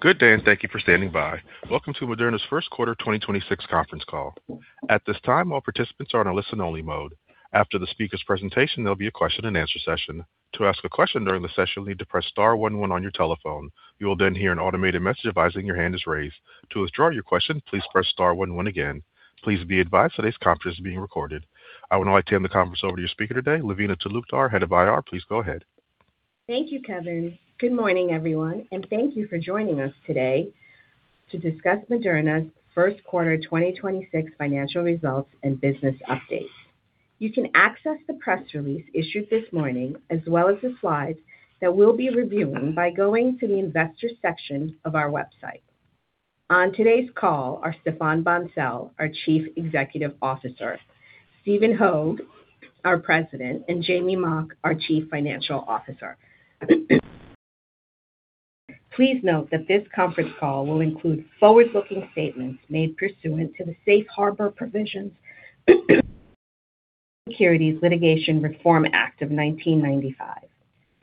Good day, and thank you for standing by. Welcome to Moderna's first quarter 2026 conference call. At this time, all participants are in a listen only mode. After the speaker's presentation, there will be a question-and-answer session. To ask a question during the session you need to press star one one on your telephone, you'll then hear automated message by signal-hand raised. To withdraw your question please press star one one again. Please be advised today's conference is being recorded. I would now like to hand the conference over to your speaker today, Lavina Talukdar, Head of IR. Please go ahead. Thank you, Kevin. Good morning, everyone, and thank you for joining us today to discuss Moderna's first quarter 2026 financial results and business updates. You can access the press release issued this morning as well as the slides that we'll be reviewing by going to the investor section of our website. On today's call are Stéphane Bancel, our Chief Executive Officer; Stephen Hoge, our President; and Jamey Mock, our Chief Financial Officer. Please note that this conference call will include forward-looking statements made pursuant to the safe harbor provisions Private Securities Litigation Reform Act of 1995.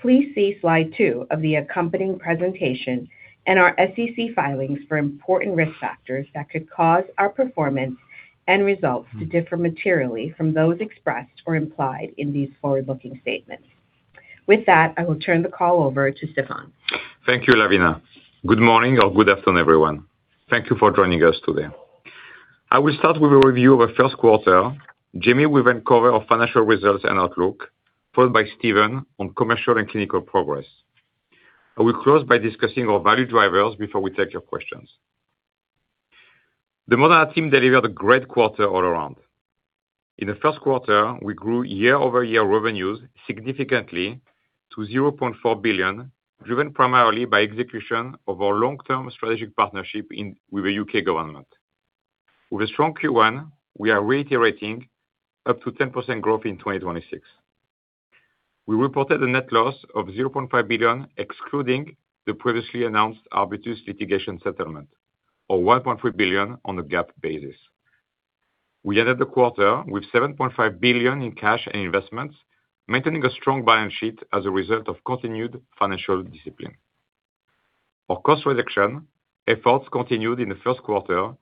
Please see slide two of the accompanying presentation and our SEC filings for important risk factors that could cause our performance and results to differ materially from those expressed or implied in these forward-looking statements. With that, I will turn the call over to Stéphane. Thank you, Lavina. Good morning or good afternoon, everyone. Thank you for joining us today. I will start with a review of our first quarter. Jamey will then cover our financial results and outlook, followed by Stephen on commercial and clinical progress. I will close by discussing our value drivers before we take your questions. The Moderna team delivered a great quarter all around. In the first quarter, we grew year-over-year revenues significantly to $0.4 billion, driven primarily by execution of our long-term strategic partnership with the U.K. government. With a strong Q1, we are reiterating up to 10% growth in 2026. We reported a net loss of $0.5 billion excluding the previously announced Arbutus litigation settlement or $1.3 billion on the GAAP basis. We ended the quarter with $7.5 billion in cash and investments, maintaining a strong balance sheet as a result of continued financial discipline. Our cost reduction efforts continued in the first quarter,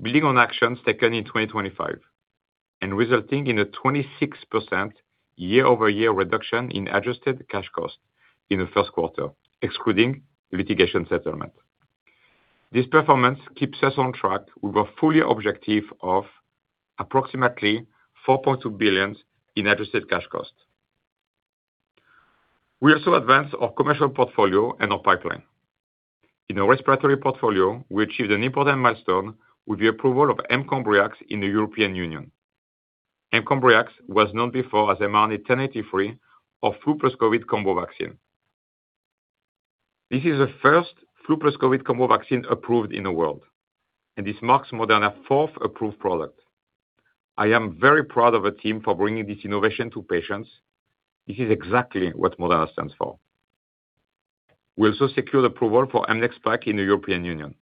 building on actions taken in 2025 and resulting in a 26% year-over-year reduction in adjusted cash cost in the first quarter, excluding litigation settlement. This performance keeps us on track with our full year objective of approximately $4.2 billion in adjusted cash cost. We also advanced our commercial portfolio and our pipeline. In our respiratory portfolio, we achieved an important milestone with the approval of mCOMBRIAX in the European Union. mCOMBRIAX was known before as mRNA-1083 or flu +COVID combo vaccine. This is the first flu +COVID combo vaccine approved in the world, and this marks Moderna fourth approved product. I am very proud of the team for bringing this innovation to patients. This is exactly what Moderna stands for. We also secured approval for Spikevax in the European Union.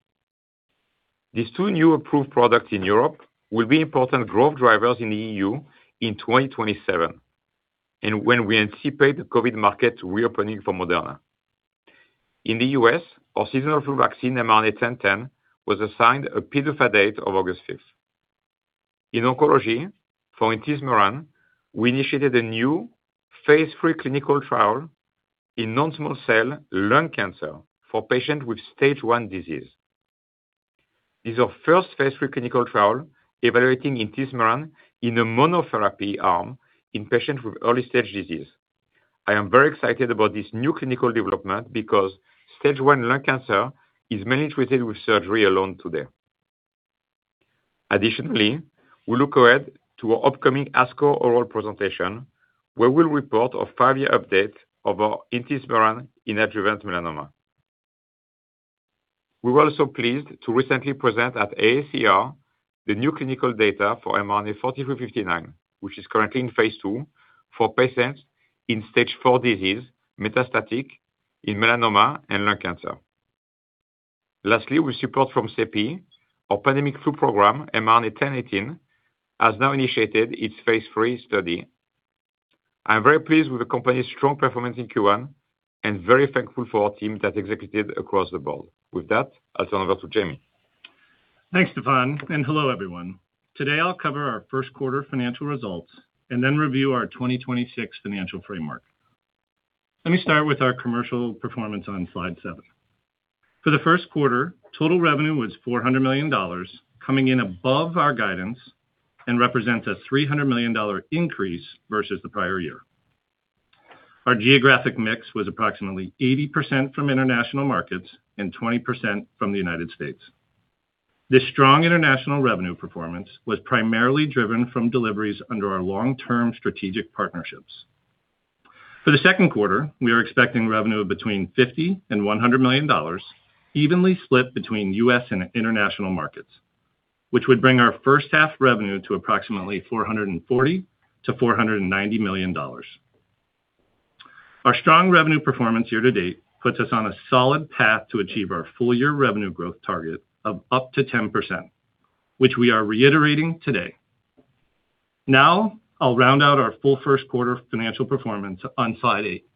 These two new approved products in Europe will be important growth drivers in the EU in 2027, and when we anticipate the COVID market reopening for Moderna. In the U.S., our seasonal flu vaccine, mRNA-1010, was assigned a PDUFA date of August 5th. In oncology for intismeran, we initiated a new phase III clinical trial in non-small cell lung cancer for patients with Stage I disease. This is our first phase III clinical trial evaluating intismeran in a monotherapy arm in patients with early-stage disease. I am very excited about this new clinical development because Stage I lung cancer is mainly treated with surgery alone today. Additionally, we look ahead to our upcoming ASCO oral presentation, where we'll report a five year update of our intismeran in adjuvant melanoma. We were also pleased to recently present at AACR the new clinical data for mRNA-4359, which is currently in phase II for patients in Stage IV disease, metastatic in melanoma and lung cancer. Lastly, with support from CEPI, our pandemic flu program, mRNA-1018, has now initiated its phase III study. I'm very pleased with the company's strong performance in Q1 and very thankful for our team that executed across the board. With that, I'll turn over to Jamey. Thanks, Stéphane, and hello, everyone. Today, I'll cover our first quarter financial results and then review our 2026 financial framework. Let me start with our commercial performance on slide seven. For the first quarter, total revenue was $400 million, coming in above our guidance and represents a $300 million increase versus the prior year. Our geographic mix was approximately 80% from international markets and 20% from the U.S. This strong international revenue performance was primarily driven from deliveries under our long-term strategic partnerships. For the second quarter, we are expecting revenue of between $50 million-$100 million, evenly split between U.S. and international markets, which would bring our first half revenue to approximately $440 million-$490 million. Our strong revenue performance year-to-date puts us on a solid path to achieve our full year revenue growth target of up to 10%, which we are reiterating today. I'll round out our full first quarter financial performance on slide eight.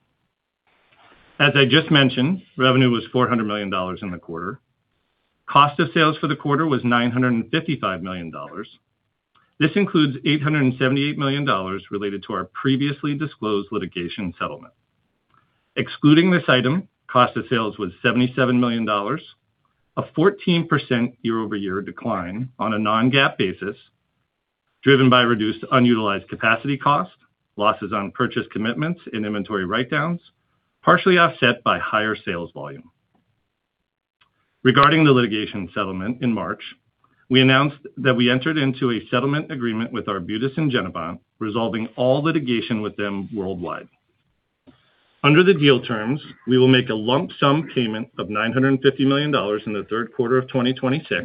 As I just mentioned, revenue was $400 million in the quarter. Cost of sales for the quarter was $955 million. This includes $878 million related to our previously disclosed litigation settlement. Excluding this item, cost of sales was $77 million, a 14% year-over-year decline on a non-GAAP basis, driven by reduced unutilized capacity costs, losses on purchase commitments and inventory write-downs, partially offset by higher sales volume. Regarding the litigation settlement in March, we announced that we entered into a settlement agreement with Arbutus and Genevant Sciences, resolving all litigation with them worldwide. Under the deal terms, we will make a lump sum payment of $950 million in the third quarter of 2026,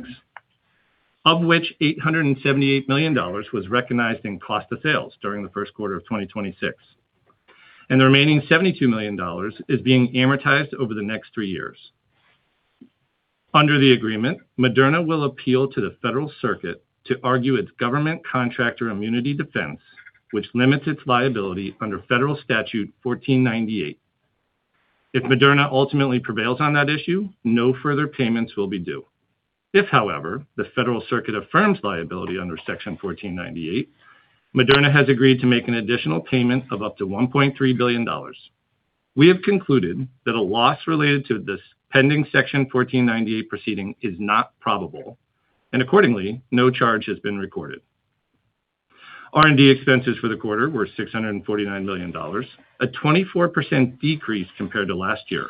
of which $878 million was recognized in cost of sales during the first quarter of 2026, and the remaining $72 million is being amortized over the next three years. Under the agreement, Moderna will appeal to the Federal Circuit to argue its government contractor immunity defense, which limits its liability under Federal Statute 1498. If Moderna ultimately prevails on that issue, no further payments will be due. If, however, the Federal Circuit affirms liability under Section 1498, Moderna has agreed to make an additional payment of up to $1.3 billion. We have concluded that a loss related to this pending Section 1498 proceeding is not probable, and accordingly, no charge has been recorded. R&D expenses for the quarter were $649 million, a 24% decrease compared to last year,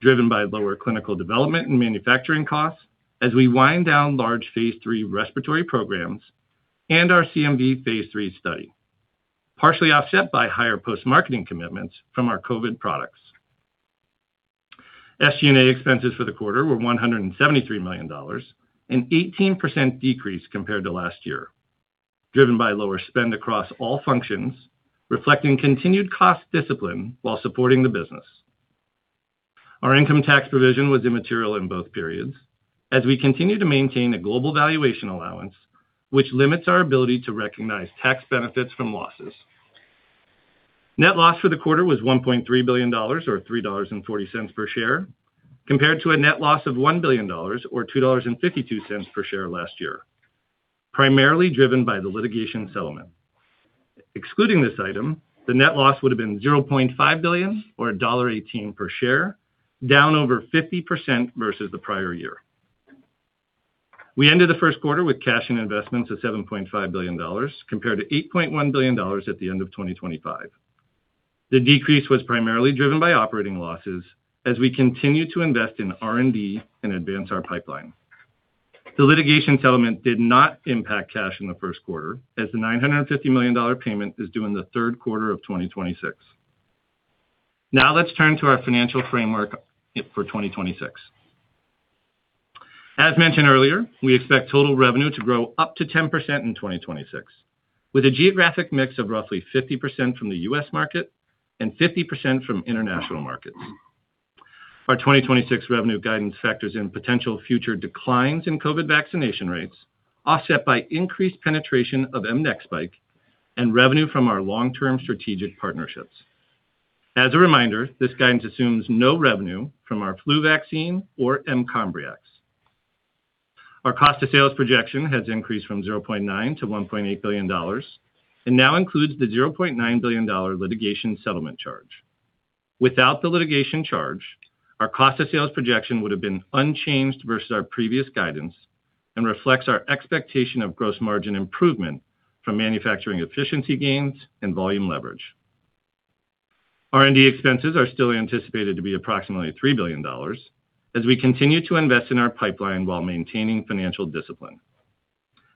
driven by lower clinical development and manufacturing costs as we wind down large phase III respiratory programs and our CMV phase III study, partially offset by higher post-marketing commitments from our COVID products. SG&A expenses for the quarter were $173 million, an 18% decrease compared to last year, driven by lower spend across all functions, reflecting continued cost discipline while supporting the business. Our income tax provision was immaterial in both periods as we continue to maintain a global valuation allowance, which limits our ability to recognize tax benefits from losses. Net loss for the quarter was $1.3 billion or $3.40 per share, compared to a net loss of $1 billion or $2.52 per share last year, primarily driven by the litigation settlement. Excluding this item, the net loss would have been $0.5 billion or $1.18 per share, down over 50% versus the prior year. We ended the first quarter with cash and investments of $7.5 billion compared to $8.1 billion at the end of 2025. The decrease was primarily driven by operating losses as we continue to invest in R&D and advance our pipeline. The litigation settlement did not impact cash in the first quarter, as the $950 million payment is due in the third quarter of 2026. Now let's turn to our financial framework for 2026. As mentioned earlier, we expect total revenue to grow up to 10% in 2026, with a geographic mix of roughly 50% from the U.S. market and 50% from international markets. Our 2026 revenue guidance factors in potential future declines in COVID vaccination rates, offset by increased penetration of mNEXSPIKE and revenue from our long-term strategic partnerships. As a reminder, this guidance assumes no revenue from our flu vaccine or Comirnaty. Our cost of sales projection has increased from $0.9 billion-$1.8 billion and now includes the $0.9 billion litigation settlement charge. Without the litigation charge, our cost of sales projection would have been unchanged versus our previous guidance and reflects our expectation of gross margin improvement from manufacturing efficiency gains and volume leverage. R&D expenses are still anticipated to be approximately $3 billion as we continue to invest in our pipeline while maintaining financial discipline.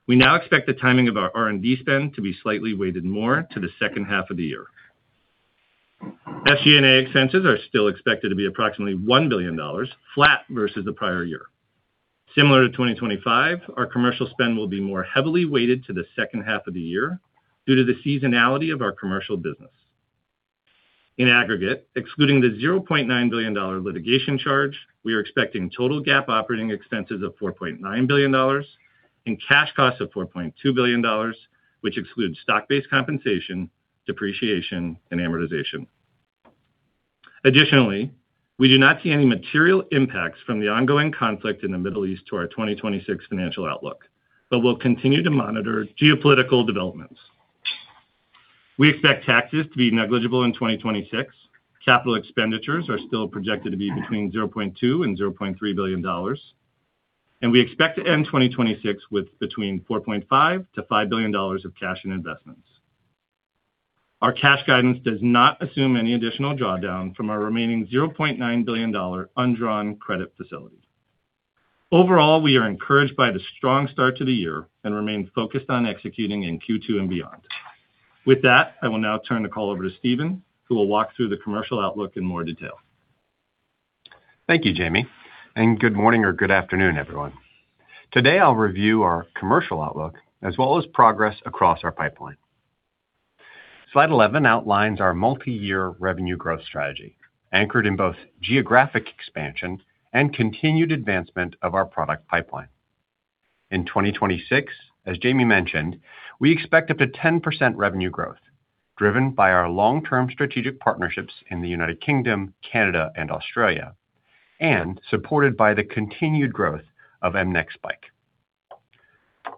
We now expect the timing of our R&D spend to be slightly weighted more to the second half of the year. SG&A expenses are still expected to be approximately $1 billion, flat versus the prior year. Similar to 2025, our commercial spend will be more heavily weighted to the second half of the year due to the seasonality of our commercial business. In aggregate, excluding the $0.9 billion litigation charge, we are expecting total GAAP operating expenses of $4.9 billion and cash costs of $4.2 billion, which excludes stock-based compensation, depreciation, and amortization. Additionally, we do not see any material impacts from the ongoing conflict in the Middle East to our 2026 financial outlook. We'll continue to monitor geopolitical developments. We expect taxes to be negligible in 2026. Capital expenditures are still projected to be between $0.2 billion-$0.3 billion. We expect to end 2026 with between $4.5 billion-$5 billion of cash and investments. Our cash guidance does not assume any additional drawdown from our remaining $0.9 billion undrawn credit facility. Overall, we are encouraged by the strong start to the year and remain focused on executing in Q2 and beyond. With that, I will now turn the call over to Stephen, who will walk through the commercial outlook in more detail. Thank you, Jamey, and good morning or good afternoon, everyone. Today, I'll review our commercial outlook as well as progress across our pipeline. Slide 11 outlines our multi-year revenue growth strategy, anchored in both geographic expansion and continued advancement of our product pipeline. In 2026, as Jamey mentioned, we expect up to 10% revenue growth, driven by our long-term strategic partnerships in the United Kingdom, Canada, and Australia, and supported by the continued growth of mNEXSPIKE.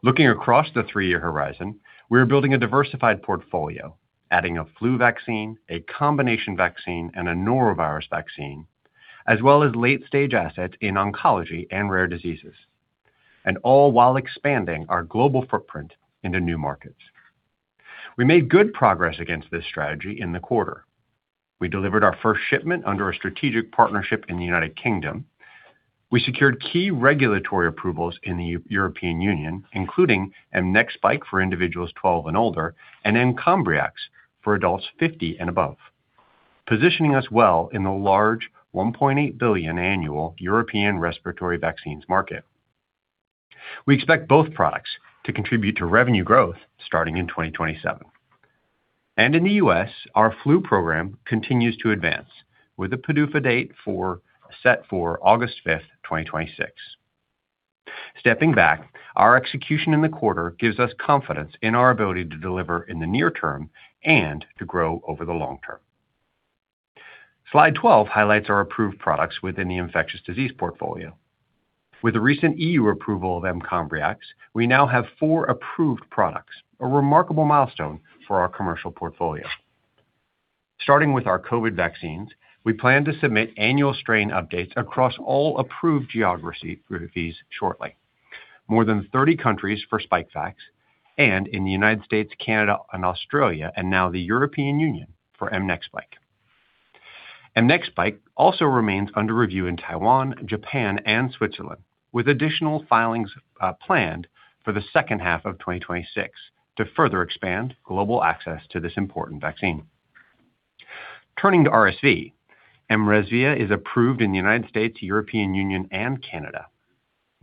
Looking across the three year horizon, we're building a diversified portfolio, adding a flu vaccine, a combination vaccine, and a norovirus vaccine, as well as late-stage assets in oncology and rare diseases, and all while expanding our global footprint into new markets. We made good progress against this strategy in the quarter. We delivered our first shipment under our strategic partnership in the United Kingdom. We secured key regulatory approvals in the European Union, including mNEXSPIKE for individuals 12 and older and mCOMBRIAX for adults 50 and above, positioning us well in the large $1.8 billion annual European respiratory vaccines market. We expect both products to contribute to revenue growth starting in 2027. In the U.S., our flu program continues to advance with the PDUFA date set for August 5, 2026. Stepping back, our execution in the quarter gives us confidence in our ability to deliver in the near term and to grow over the long term. Slide 12 highlights our approved products within the infectious disease portfolio. With the recent EU approval of mCOMBRIAX, we now have four approved products, a remarkable milestone for our commercial portfolio. Starting with our COVID vaccines, we plan to submit annual strain updates across all approved geographies shortly. More than 30 countries for Spikevax, and in the U.S., Canada, and Australia, and now the European Union for mNEXSPIKE. mNEXSPIKE also remains under review in Taiwan, Japan, and Switzerland, with additional filings planned for the second half of 2026 to further expand global access to this important vaccine. Turning to RSV, mRESVIA is approved in the U.S., European Union, and Canada.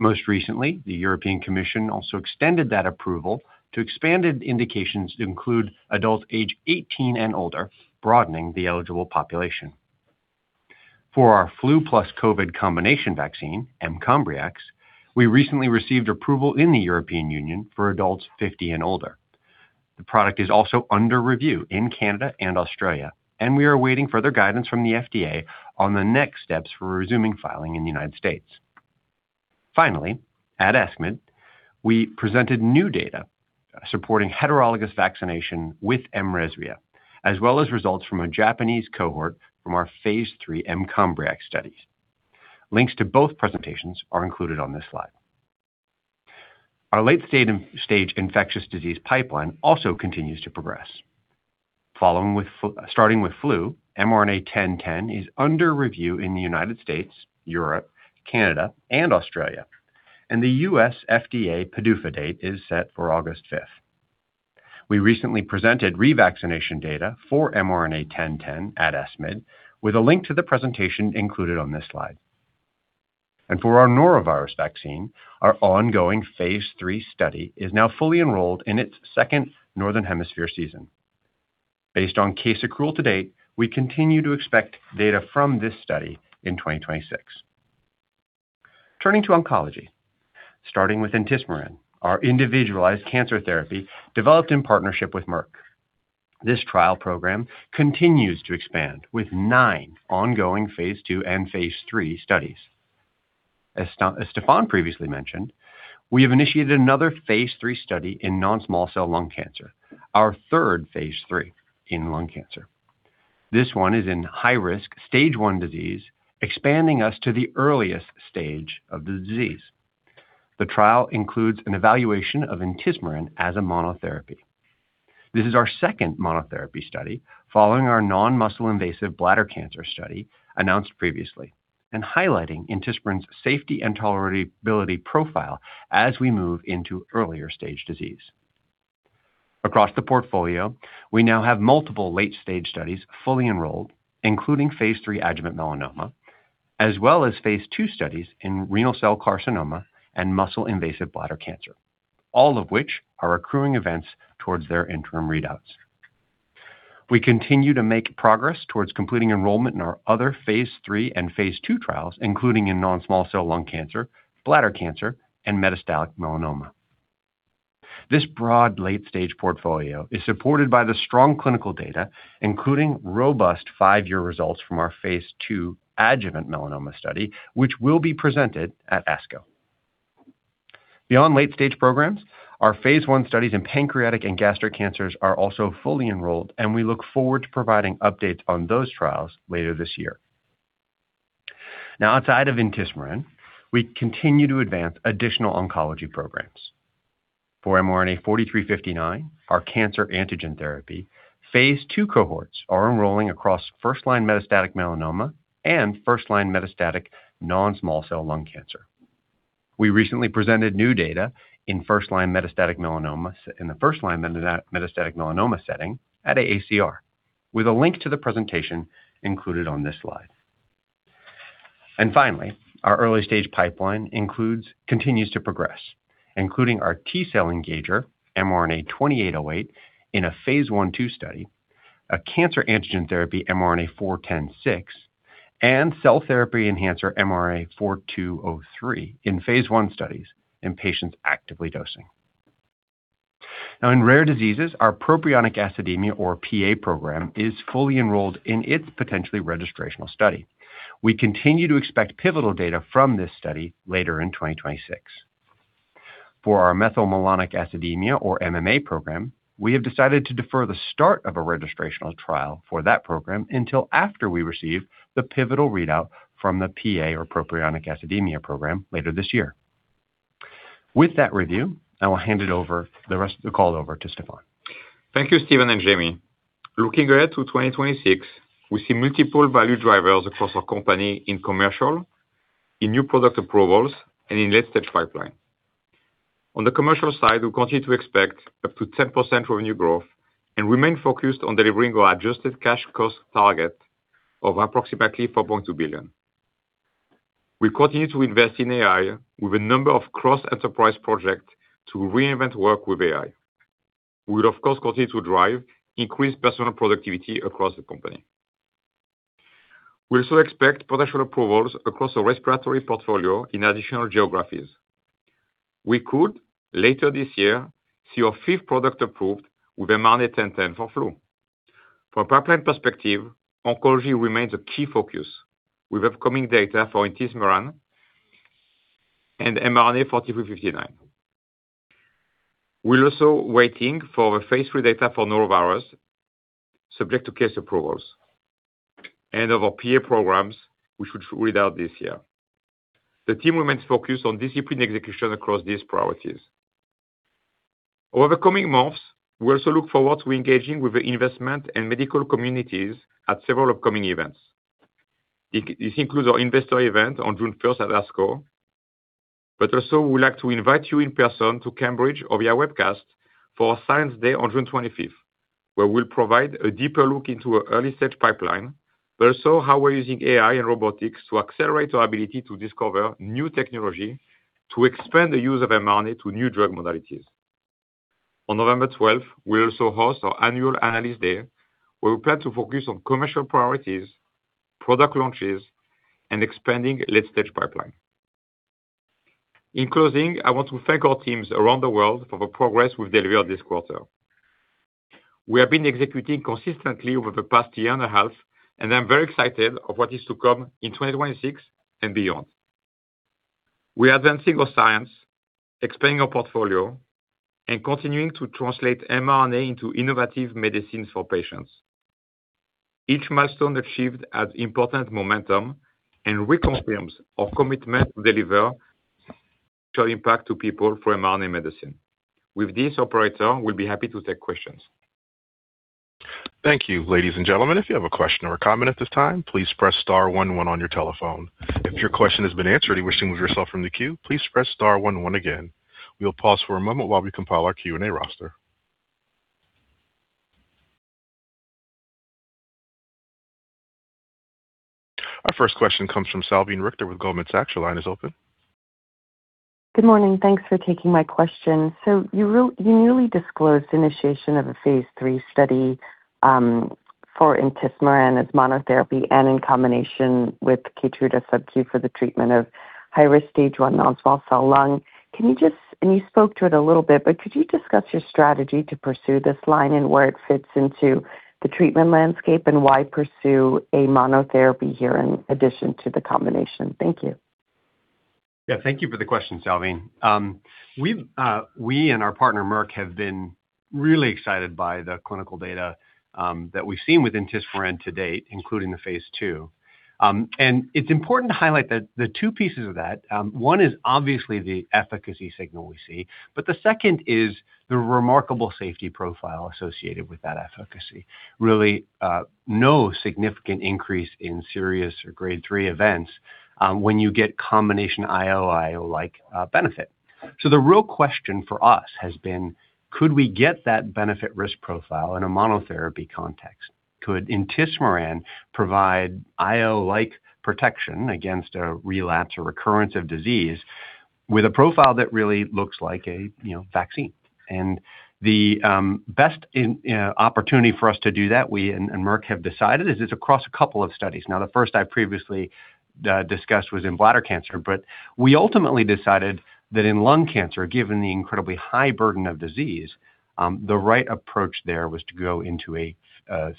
Most recently, the European Commission also extended that approval to expanded indications to include adults aged 18 and older, broadening the eligible population. For our flu +COVID combination vaccine, mCOMBRIAX, we recently received approval in the European Union for adults 50 and older. The product is also under review in Canada and Australia. We are waiting further guidance from the FDA on the next steps for resuming filing in the U.S. Finally, at ESCMID, we presented new data supporting heterologous vaccination with mRESVIA, as well as results from a Japanese cohort from our phase III mCOMBRIAX studies. Links to both presentations are included on this slide. Our late-stage infectious disease pipeline also continues to progress. Starting with flu, mRNA-1010 is under review in the U.S., Europe, Canada, and Australia, and the U.S. FDA PDUFA date is set for August 5. We recently presented revaccination data for mRNA-1010 at ESCMID, with a link to the presentation included on this slide. For our norovirus vaccine, our ongoing phase III study is now fully enrolled in its second Northern Hemisphere season. Based on case accrual to date, we continue to expect data from this study in 2026. Turning to oncology, starting with intismeran, our individualized cancer therapy developed in partnership with Merck. This trial program continues to expand, with nine ongoing phase II and phase III studies. As Stéphane previously mentioned, we have initiated another phase III study in non-small cell lung cancer, our third phase III in lung cancer. This one is in high risk Stage I disease, expanding us to the earliest stage of the disease. The trial includes an evaluation of intismeran as a monotherapy. This is our second monotherapy study following our non-muscle invasive bladder cancer study announced previously and highlighting intismeran's safety and tolerability profile as we move into earlier stage disease. Across the portfolio, we now have multiple late-stage studies fully enrolled, including phase III adjuvant melanoma, as well as phase II studies in renal cell carcinoma and muscle-invasive bladder cancer, all of which are accruing events towards their interim readouts. We continue to make progress towards completing enrollment in our other phase III and phase II trials, including in non-small cell lung cancer, bladder cancer, and metastatic melanoma. This broad late-stage portfolio is supported by the strong clinical data, including robust five-year results from our phase II adjuvant melanoma study, which will be presented at ASCO. Beyond late-stage programs, our phase I studies in pancreatic and gastric cancers are also fully enrolled, and we look forward to providing updates on those trials later this year. Now, outside of intismeran, we continue to advance additional oncology programs. For mRNA-4359, our cancer antigen therapy, phase II cohorts are enrolling across first-line metastatic melanoma and first-line metastatic non-small cell lung cancer. We recently presented new data in first-line metastatic melanoma setting at AACR, with a link to the presentation included on this slide. Finally, our early-stage pipeline continues to progress, including our T-cell engager mRNA-2808 in a phase I/II study, a cancer antigen therapy mRNA-4106, and cell therapy enhancer mRNA-4203 in phase I studies in patients actively dosing. In rare diseases, our propionic acidemia, or PA program, is fully enrolled in its potentially registrational study. We continue to expect pivotal data from this study later in 2026. For our methylmalonic acidemia, or MMA program, we have decided to defer the start of a registrational trial for that program until after we receive the pivotal readout from the PA, or propionic acidemia program later this year. With that review, I will hand the rest of the call over to Stéphane. Thank you, Stephen and Jamey. Looking ahead to 2026, we see multiple value drivers across our company in commercial, in new product approvals, and in late-stage pipeline. On the commercial side, we continue to expect up to 10% revenue growth and remain focused on delivering our adjusted cash cost target of approximately $4.2 billion. We continue to invest in AI with a number of cross-enterprise projects to reinvent work with AI. We will of course, continue to drive increased personal productivity across the company. We also expect potential approvals across the respiratory portfolio in additional geographies. We could, later this year, see our fifth product approved with mRNA-1010 for flu. From a pipeline perspective, oncology remains a key focus with upcoming data for intismeran and mRNA-4359. We're also waiting for the phase III data for norovirus subject to case approvals and of our PA programs, which should read out this year. The team remains focused on disciplined execution across these priorities. Over the coming months, we also look forward to engaging with the investment and medical communities at several upcoming events. This includes our investor event on June 1st at ASCO, but also we would like to invite you in person to Cambridge via webcast for our Science Day on June 25th, where we'll provide a deeper look into our early-stage pipeline, but also how we're using AI and robotics to accelerate our ability to discover new technology to expand the use of mRNA to new drug modalities. On November 12th, we'll also host our Annual Analyst Day, where we plan to focus on commercial priorities, product launches, and expanding late-stage pipeline. In closing, I want to thank our teams around the world for the progress we've delivered this quarter. We have been executing consistently over the past year and a half. I'm very excited of what is to come in 2026 and beyond. We are advancing our science, expanding our portfolio, and continuing to translate mRNA into innovative medicines for patients. Each milestone achieved adds important momentum and reconfirms our commitment to deliver life-changing impact to people for mRNA medicine. With this, operator, we'll be happy to take questions. Thank you. Ladies and gentlemen, if you have a question or a comment at this time, please press star one one on your telephone. If your question has been answered and you wish to remove yourself from the queue, please press star one one again. We will pause for a moment while we compile our Q&A roster. Our first question comes from Salveen Richter with Goldman Sachs. Your line is open. Good morning. Thanks for taking my question. You newly disclosed initiation of a phase III study for intismeran as monotherapy and in combination with Keytruda [inaudible] for the treatment of high-risk Stage I non-small cell lung. You spoke to it a little bit, but could you discuss your strategy to pursue this line and where it fits into the treatment landscape and why pursue a monotherapy here in addition to the combination? Thank you. Yeah. Thank you for the question, Salveen. We and our partner Merck have been really excited by the clinical data that we've seen with intismeran to date, including the phase II. It's important to highlight the two pieces of that. One is obviously the efficacy signal we see, but the second is the remarkable safety profile associated with that efficacy. Really, no significant increase in serious or grade three events when you get combination IO-like benefit. The real question for us has been, could we get that benefit risk profile in a monotherapy context? Could intismeran provide IO-like protection against a relapse or recurrence of disease with a profile that really looks like a, you know, vaccine? The best in opportunity for us to do that, we and Merck have decided, is it's across a couple of studies. The first I previously discussed was in bladder cancer, we ultimately decided that in lung cancer, given the incredibly high burden of disease, the right approach there was to go into a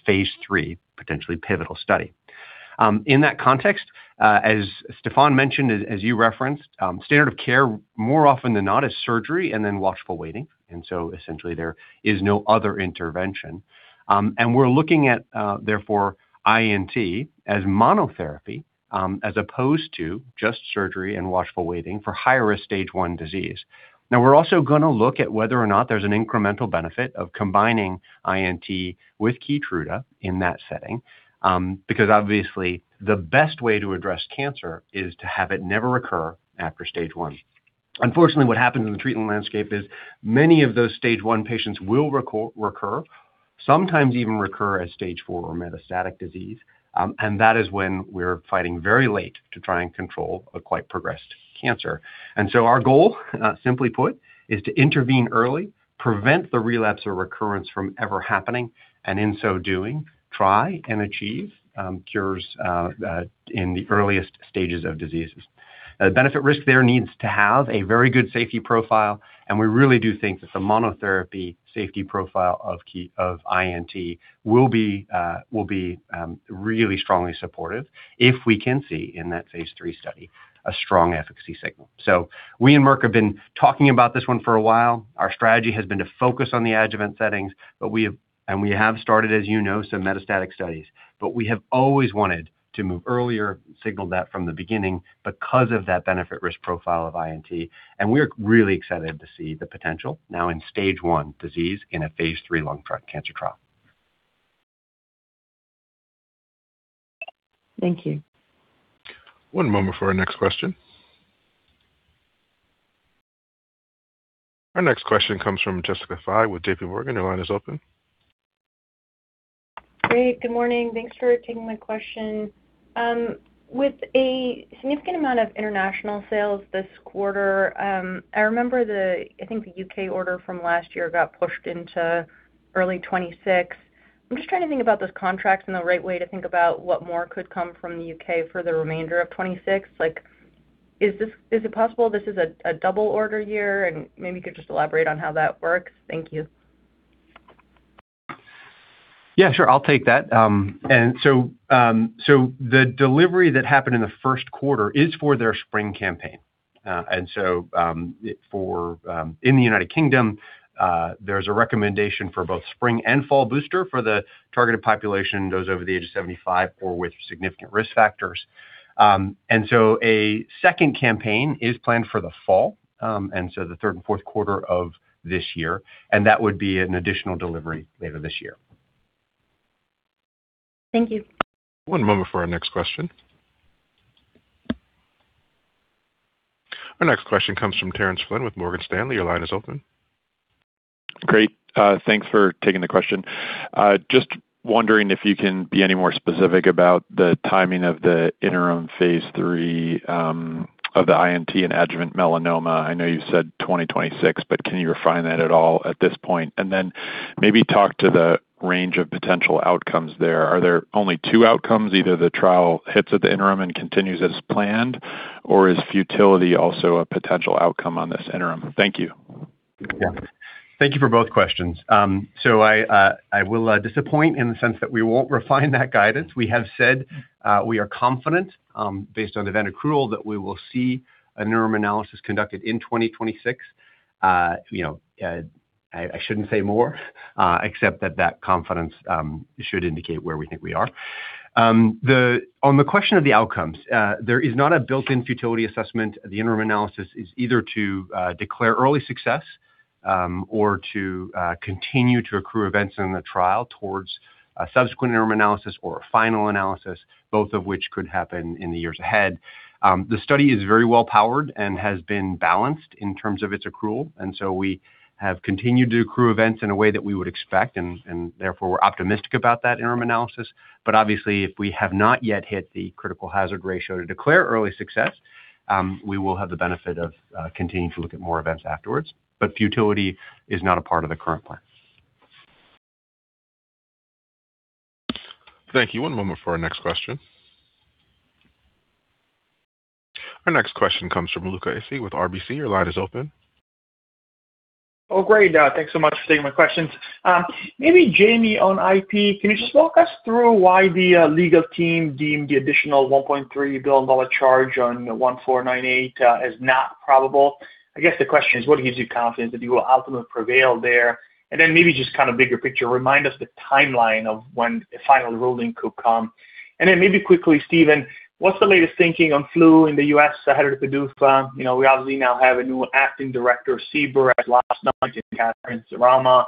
phase III, potentially pivotal study. In that context, as Stéphane mentioned, as you referenced, standard of care more often than not is surgery and then watchful waiting, essentially there is no other intervention. We're looking at, therefore INT as monotherapy, as opposed to just surgery and watchful waiting for high risk Stage I disease. We're also going to look at whether or not there's an incremental benefit of combining INT with Keytruda in that setting, because obviously the best way to address cancer is to have it never occur after Stage I. Unfortunately, what happens in the treatment landscape is many of those Stage I patients will recur. Sometimes even recur as Stage IV or metastatic disease. That is when we're fighting very late to try and control a quite progressed cancer. Our goal, simply put, is to intervene early, prevent the relapse or recurrence from ever happening, and in so doing, try and achieve cures in the earliest stages of diseases. The benefit risk there needs to have a very good safety profile, and we really do think that the monotherapy safety profile of INT will be really strongly supportive if we can see in that phase III study a strong efficacy signal. We and Merck have been talking about this one for a while. Our strategy has been to focus on the adjuvant settings. We have started, as you know, some metastatic studies. We have always wanted to move earlier, signaled that from the beginning because of that benefit risk profile of INT. We're really excited to see the potential now in Stage I disease in a phase III lung cancer trial. Thank you. One moment for our next question. Our next question comes from Jessica Fye with JPMorgan. Your line is open. Great, good morning. Thanks for taking my question. With a significant amount of international sales this quarter, I remember the, I think the U.K. order from last year got pushed into early 2026. I'm just trying to think about those contracts and the right way to think about what more could come from the U.K. for the remainder of 2026. Like, is it possible this is a double order year? Maybe you could just elaborate on how that works. Thank you. Yeah, sure. I'll take that. The delivery that happened in the 1st quarter is for their spring campaign. For in the U.K., there's a recommendation for both spring and fall booster for the targeted population, those over the age of 75 or with significant risk factors. A second campaign is planned for the fall, the third and fourth quarter of this year, and that would be an additional delivery later this year. Thank you. One moment for our next question. Our next question comes from Terence Flynn with Morgan Stanley. Your line is open. Great. Thanks for taking the question. Just wondering if you can be any more specific about the timing of the interim phase III of the INT and adjuvant melanoma. I know you said 2026, but can you refine that at all at this point? Maybe talk to the range of potential outcomes there. Are there only two outcomes, either the trial hits at the interim and continues as planned, or is futility also a potential outcome on this interim? Thank you. Yeah. Thank you for both questions. I will disappoint in the sense that we won't refine that guidance. We have said, we are confident, based on event accrual, that we will see an interim analysis conducted in 2026. You know, I shouldn't say more, except that that confidence should indicate where we think we are. On the question of the outcomes, there is not a built-in futility assessment. The interim analysis is either to declare early success or to continue to accrue events in the trial towards a subsequent interim analysis or a final analysis, both of which could happen in the years ahead. The study is very well powered and has been balanced in terms of its accrual, and so we have continued to accrue events in a way that we would expect, and therefore, we're optimistic about that interim analysis. Obviously, if we have not yet hit the critical hazard ratio to declare early success, we will have the benefit of continuing to look at more events afterwards. Futility is not a part of the current plan. Thank you. One moment for our next question. Our next question comes from Luca Issi with RBC. Your line is open. Great. Thanks so much for taking my questions. Maybe Jamey on IP, can you just walk us through why the legal team deemed the additional $1.3 billion charge on 1498 as not probable? I guess the question is, what gives you confidence that you will ultimately prevail there? Maybe just kind of bigger picture, remind us the timeline of when a final ruling could come. Maybe quickly, Stephen, what's the latest thinking on flu in the U.S. ahead of the PDUFA? You know, we obviously now have a new acting director of CBER as of last night, Katherine Szarama.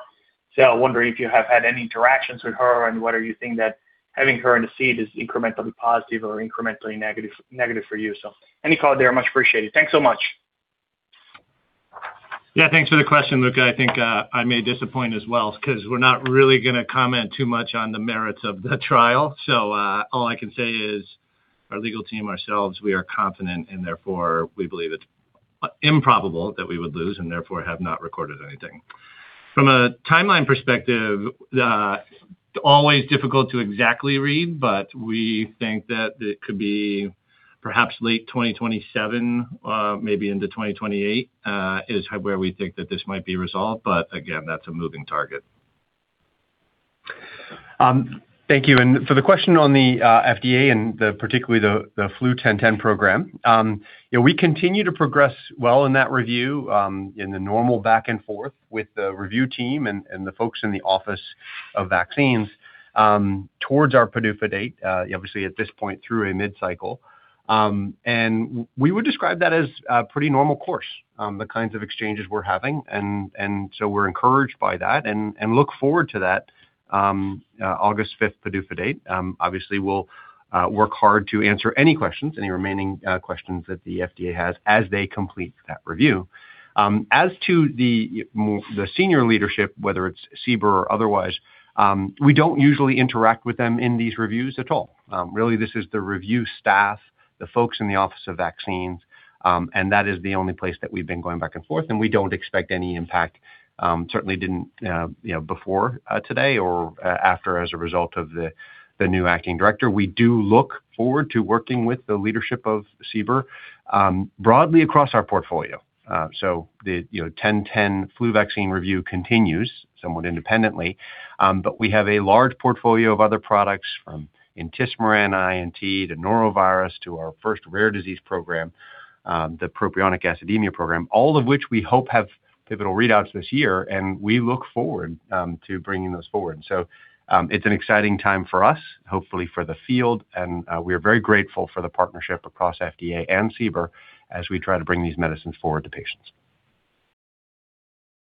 I wonder if you have had any interactions with her, and what do you think that having her in the seat is incrementally positive or incrementally negative for you? Any call there, much appreciated. Thanks so much. Yeah, thanks for the question, Luca. I think I may disappoint as well because we're not really gonna comment too much on the merits of the trial. All I can say is our legal team, ourselves, we are confident, and therefore we believe it's improbable that we would lose and therefore have not recorded anything. From a timeline perspective, always difficult to exactly read, but we think that it could be perhaps late 2027, maybe into 2028, is where we think that this might be resolved. Again, that's a moving target. Thank you for the question on the FDA and particularly the mRNA-1010 program. You know, we continue to progress well in that review, in the normal back and forth with the review team and the folks in the Office of Vaccines, towards our PDUFA date, obviously at this point through a mid-cycle. We would describe that as a pretty normal course, the kinds of exchanges we're having. So we're encouraged by that and look forward to that August 5th PDUFA date. Obviously, we'll work hard to answer any questions, any remaining questions that the FDA has as they complete that review. As to the senior leadership, whether it's CBER or otherwise, we don't usually interact with them in these reviews at all. Really, this is the review staff, the folks in the Office of Vaccines, that is the only place that we've been going back and forth, and we don't expect any impact, certainly didn't, you know, before today or after as a result of the new Acting Director. We do look forward to working with the leadership of CBER, broadly across our portfolio. The, you know, mRNA-1010 flu vaccine review continues somewhat independently. We have a large portfolio of other products from intismeran, INT to norovirus to our first rare disease program, the propionic acidemia program, all of which we hope have pivotal readouts this year, and we look forward to bringing those forward. It's an exciting time for us, hopefully for the field, we are very grateful for the partnership across FDA and CBER as we try to bring these medicines forward to patients.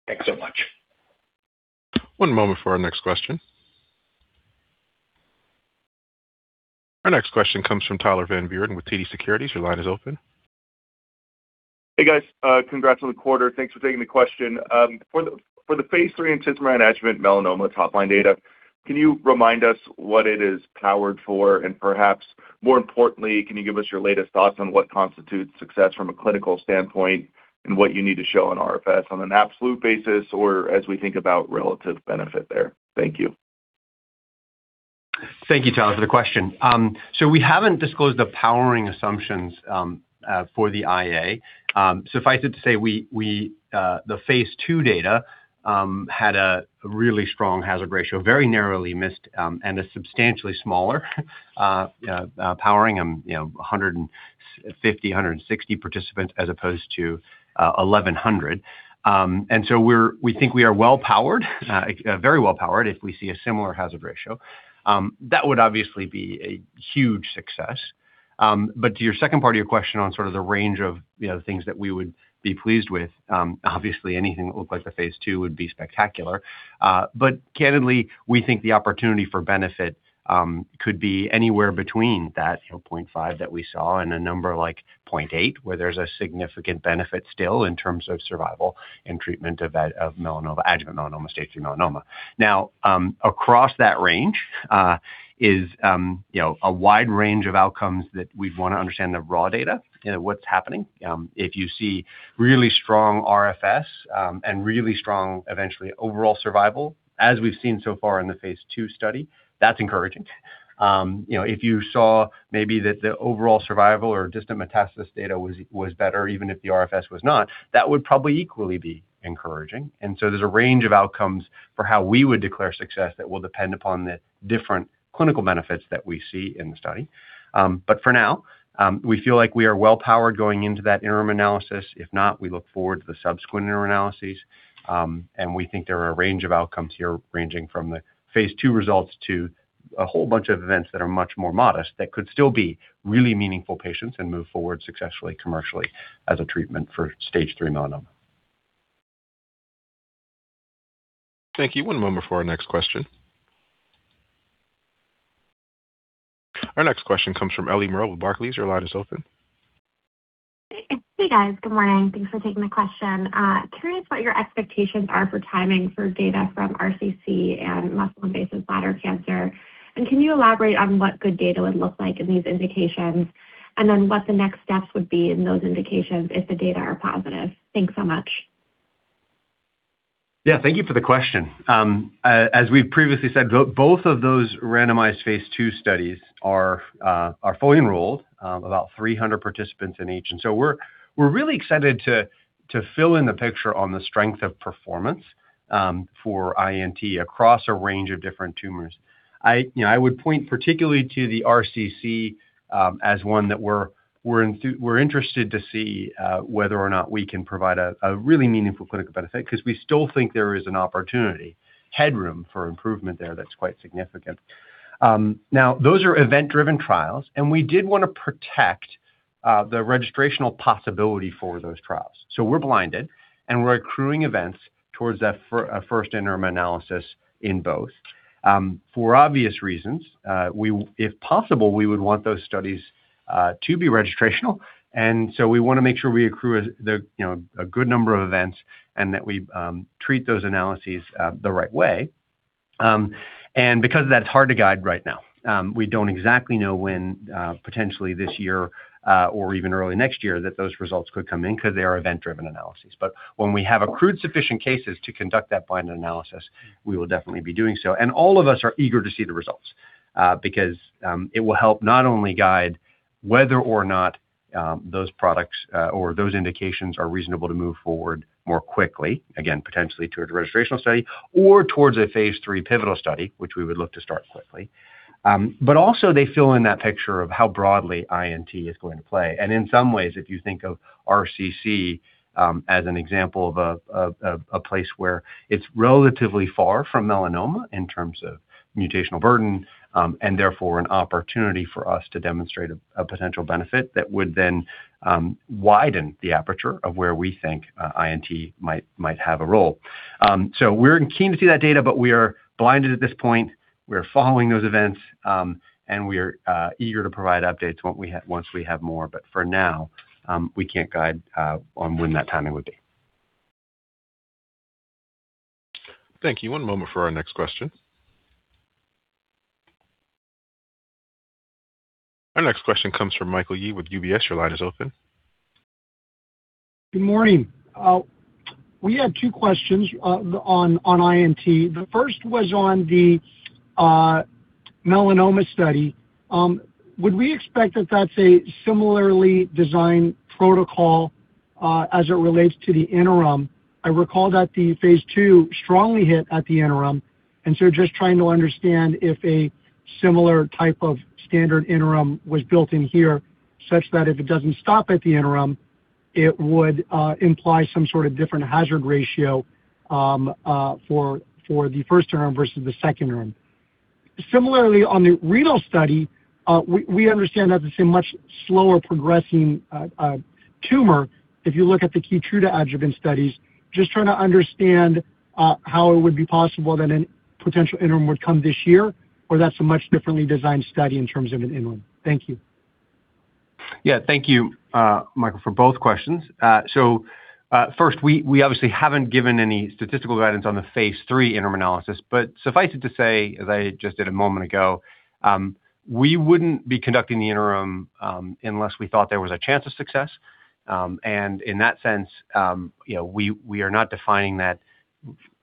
Thanks so much. One moment for our next question. Our next question comes from Tyler Van Buren with TD Securities. Your line is open. Hey, guys. Congrats on the quarter. Thanks for taking the question. For the phase III intismeran adjuvant melanoma top line data, can you remind us what it is powered for? Perhaps more importantly, can you give us your latest thoughts on what constitutes success from a clinical standpoint and what you need to show on RFS on an absolute basis or as we think about relative benefit there? Thank you. Thank you, Tyler, for the question. We haven't disclosed the powering assumptions for the IA. Suffice it to say, we, the phase II data had a really strong hazard ratio, very narrowly missed, and a substantially smaller powering, you know, 150, 160 participants as opposed to 1,100. We think we are well-powered, very well-powered if we see a similar hazard ratio. That would obviously be a huge success. To your second part of your question on sort of the range of, you know, the things that we would be pleased with, obviously anything that looked like the phase II would be spectacular. Candidly, we think the opportunity for benefit, could be anywhere between that, you know, 0.5 that we saw and a number like 0.8, where there's a significant benefit still in terms of survival in treatment of melanoma, adjuvant melanoma, Stage III melanoma. Now, across that range, is, you know, a wide range of outcomes that we'd wanna understand the raw data, you know, what's happening. If you see really strong RFS, and really strong eventually overall survival, as we've seen so far in the phase II study, that's encouraging. You know, if you saw maybe that the overall survival or distant metastasis data was better, even if the RFS was not, that would probably equally be encouraging. There's a range of outcomes for how we would declare success that will depend upon the different clinical benefits that we see in the study. For now, we feel like we are well-powered going into that interim analysis. If not, we look forward to the subsequent interim analyses. We think there are a range of outcomes here ranging from the phase II results to a whole bunch of events that are much more modest that could still be really meaningful patients and move forward successfully commercially as a treatment for Stage III melanoma. Thank you. One moment for our next question. Our next question comes from Ellie Merle with Barclays. Your line is open. Hey. Hey, guys, good morning. Thanks for taking the question. Curious what your expectations are for timing for data from RCC and muscle-invasive bladder cancer. Can you elaborate on what good data would look like in these indications, and then what the next steps would be in those indications if the data are positive? Thanks so much. Yeah. Thank you for the question. As we've previously said, both of those randomized phase II studies are fully enrolled, about 300 participants in each. We're really excited to fill in the picture on the strength of performance for INT across a range of different tumors. I, you know, I would point particularly to the RCC as one that we're interested to see whether or not we can provide a really meaningful clinical benefit because we still think there is an opportunity, headroom for improvement there that's quite significant. Now those are event-driven trials, and we did wanna protect the registrational possibility for those trials. We're blinded, and we're accruing events towards that first interim analysis in both. For obvious reasons, if possible, we would want those studies to be registrational. We wanna make sure we accrue, you know, a good number of events and that we treat those analyses the right way. Because that's hard to guide right now, we don't exactly know when, potentially this year, or even early next year that those results could come in because they are event-driven analyses. When we have accrued sufficient cases to conduct that blind analysis, we will definitely be doing so. All of us are eager to see the results because it will help not only guide whether or not those products or those indications are reasonable to move forward more quickly, again, potentially toward a registrational study or towards a phase III pivotal study, which we would look to start quickly. Also, they fill in that picture of how broadly INT is going to play. In some ways, if you think of RCC as an example of a, of a place where it's relatively far from melanoma in terms of mutational burden, and therefore an opportunity for us to demonstrate a potential benefit that would then widen the aperture of where we think INT might have a role. We're keen to see that data, but we are blinded at this point. We are following those events, and we are eager to provide updates once we have more. For now, we can't guide on when that timing would be. Thank you. One moment for our next question. Our next question comes from Michael Yee with UBS. Your line is open. Good morning. We had two questions on INT. The first was on the melanoma study. Would we expect that that's a similarly designed protocol as it relates to the interim? I recall that the phase II strongly hit at the interim, just trying to understand if a similar type of standard interim was built in here such that if it doesn't stop at the interim, it would imply some sort of different hazard ratio for the first interim versus the second interim. Similarly, on the renal study, we understand that it's a much slower progressing tumor if you look at the Keytruda adjuvant studies. Just trying to understand how it would be possible that an potential interim would come this year, that's a much differently designed study in terms of an interim. Thank you. Yeah. Thank you, Michael, for both questions. First, we obviously haven't given any statistical guidance on the phase III interim analysis. Suffice it to say, as I just did a moment ago, we wouldn't be conducting the interim unless we thought there was a chance of success. In that sense, you know, we are not defining that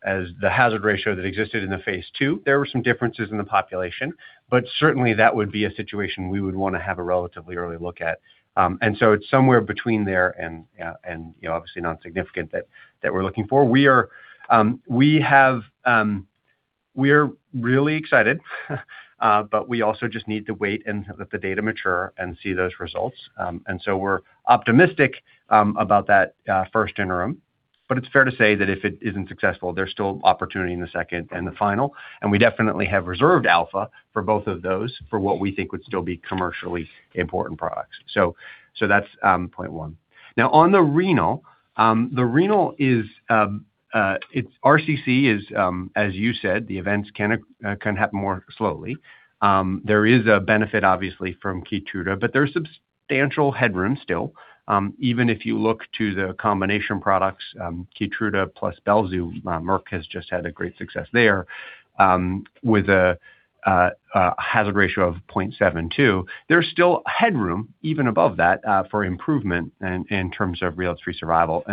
as the hazard ratio that existed in the phase II. There were some differences in the population, but certainly, that would be a situation we would wanna have a relatively early look at. It's somewhere between there and, you know, obviously not significant that we're looking for. We are, we have. We're really excited, but we also just need to wait and let the data mature and see those results. We're optimistic about that first interim. It's fair to say that if it isn't successful, there's still opportunity in the second and the final, and we definitely have reserved alpha for both of those for what we think would still be commercially important products. That's point one. On the renal, the renal is RCC is, as you said, the events can happen more slowly. There is a benefit obviously from Keytruda, but there's substantial headroom still. Even if you look to the combination products, Keytruda plus Lenvima, Merck has just had a great success there with a hazard ratio of 0.72. There's still headroom even above that for improvement in terms of relapse-free survival.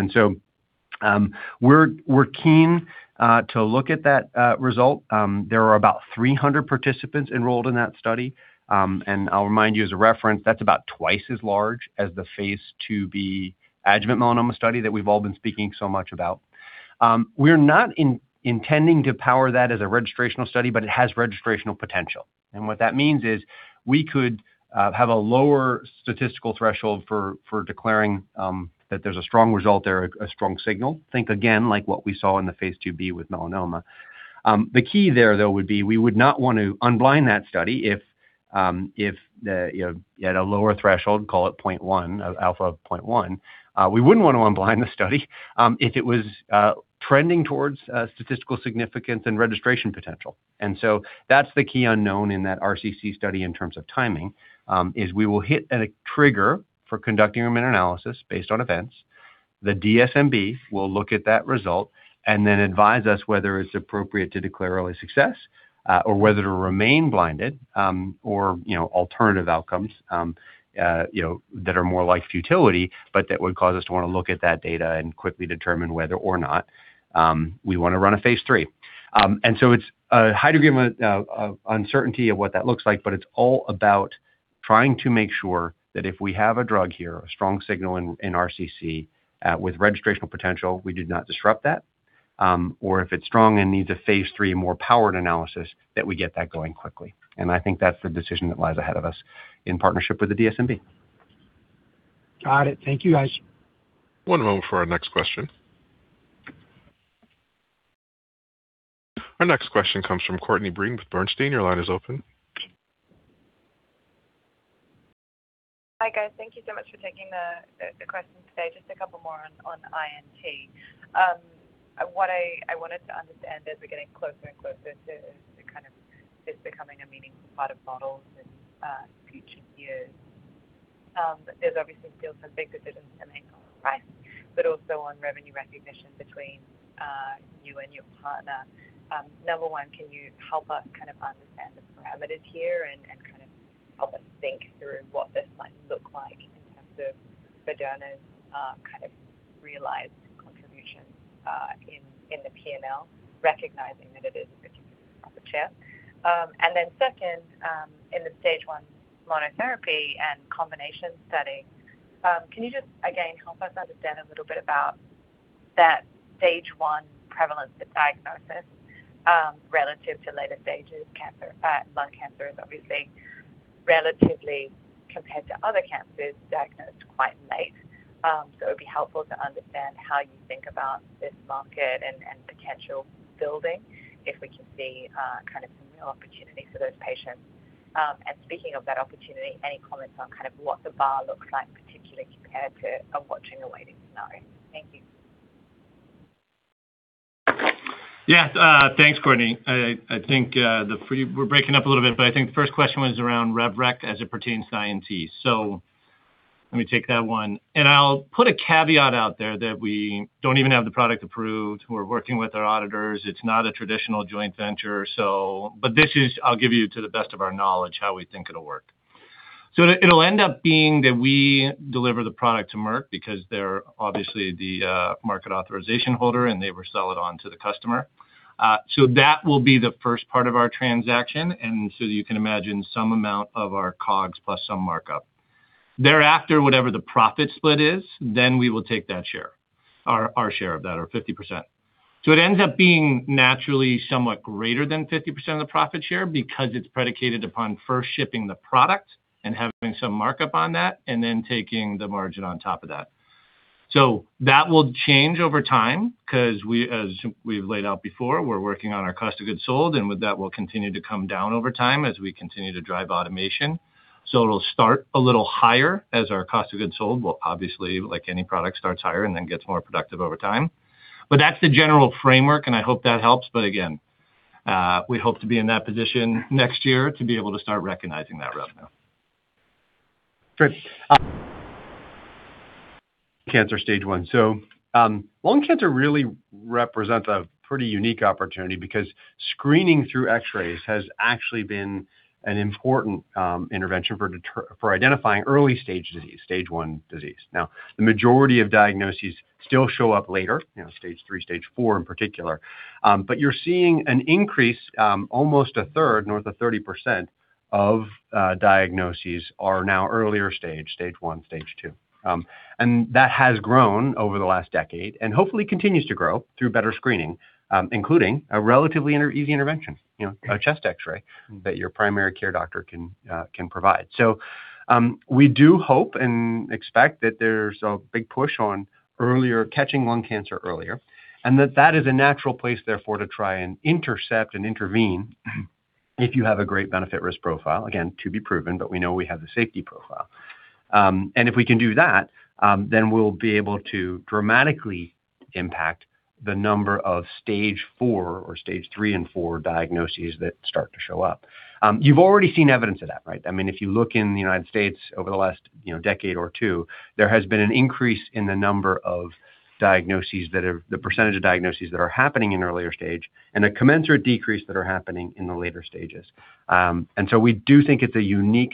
We're keen to look at that result. There are about 300 participants enrolled in that study. I'll remind you as a reference, that's about twice as large as the phase II-B adjuvant melanoma study that we've all been speaking so much about. We're not intending to power that as a registrational study, but it has registrational potential. What that means is we could have a lower statistical threshold for declaring that there's a strong result there, a strong signal. Think again, like what we saw in the phase II-B with melanoma. The key there though would be we would not want to unblind that study if the, you know, at a lower threshold, call it 0.1, alpha of 0.1. We wouldn't wanna unblind the study, if it was trending towards statistical significance and registration potential. That's the key unknown in that RCC study in terms of timing, is we will hit at a trigger for conducting an interim analysis based on events. The DSMB will look at that result and then advise us whether it's appropriate to declare early success, or whether to remain blinded, or, you know, alternative outcomes, you know, that are more like futility, but that would cause us to wanna look at that data and quickly determine whether or not we wanna run a phase III. It's a high degree of uncertainty of what that looks like, but it's all about trying to make sure that if we have a drug here, a strong signal in RCC, with registrational potential, we do not disrupt that. If it's strong and needs a phase III more powered analysis, that we get that going quickly. I think that's the decision that lies ahead of us in partnership with the DSMB. Got it. Thank you, guys. One moment for our next question. Our next question comes from Courtney Breen with Bernstein. Your line is open. Hi, guys. Thank you so much for taking the questions today. Just a couple more on INT. What I wanted to understand as we're getting closer and closer to kind of this becoming a meaningful part of models in future years, there's obviously still some big decisions to make on price, but also on revenue recognition between you and your partner. Number one, can you help us kind of understand the parameters here and kind of help us think through what this might look like in terms of Moderna's kind of realized contribution in the P&L, recognizing that it is a particularly proper share? Second, in the Stage I monotherapy and combination setting, can you just, again, help us understand a little bit about that Stage I prevalence at diagnosis, relative to later stages cancer, lung cancer is obviously relatively compared to other cancers diagnosed quite late. It'd be helpful to understand how you think about this market and potential will be, if we can see, kind of some real opportunities for those patients. Speaking of that opportunity, any comments on kind of what the bar looks like, particularly compared to a watch and a waiting scenario? Thank you. Yeah. Thanks, Courtney. I think the first question was around rev rec as it pertains to INT. Let me take that one. I'll put a caveat out there that we don't even have the product approved. We're working with our auditors. It's not a traditional joint venture. This is, I'll give you to the best of our knowledge, how we think it'll work. It'll end up being that we deliver the product to Merck because they're obviously the market authorization holder, and they resell it on to the customer. That will be the first part of our transaction, you can imagine some amount of our COGS plus some markup. Whatever the profit split is, then we will take that share, our share of that, or 50%. It ends up being naturally somewhat greater than 50% of the profit share because it's predicated upon first shipping the product and having some markup on that and then taking the margin on top of that. That will change over time as we've laid out before, we're working on our Cost of Goods Sold, and with that will continue to come down over time as we continue to drive automation. It'll start a little higher as our Cost of Goods Sold will obviously, like any product, starts higher and then gets more productive over time. That's the general framework, and I hope that helps. Again, we hope to be in that position next year to be able to start recognizing that revenue. Great. Cancer Stage I. Lung cancer really represents a pretty unique opportunity because screening through X-rays has actually been an important intervention for identifying early stage disease, Stage I disease. Now, the majority of diagnoses still show up later, you know, Stage III, Stage IV in particular, but you're seeing an increase, almost a third, north of 30% of diagnoses are now earlier Stage I, Stage II. And that has grown over the last decade and hopefully continues to grow through better screening, including a relatively easy intervention, you know, a chest X-ray that your primary care doctor can provide. We do hope and expect that there's a big push on earlier catching lung cancer earlier, and that that is a natural place therefore to try and intercept and intervene if you have a great benefit risk profile, again, to be proven, but we know we have the safety profile. If we can do that, then we'll be able to dramatically impact the number of Stage IV or Stage III and IV diagnoses that start to show up. You've already seen evidence of that, right? I mean, if you look in the U.S. over the last, you know, decade or two, there has been an increase in the percentage of diagnoses that are happening in earlier stage and a commensurate decrease that are happening in the later stages. We do think it's a unique,